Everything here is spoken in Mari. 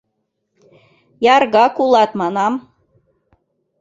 Яргак улат, манам!..